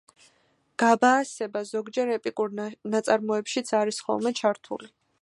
გაბაასება ზოგჯერ ეპიკურ ნაწარმოებშიც არის ხოლმე ჩართული.